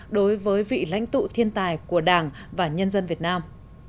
đối với vị lãnh tụ thiên tài của đảng và nhân dân việt nam